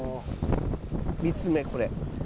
３つ目これ。